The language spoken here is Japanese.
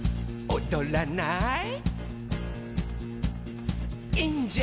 「おどらない？」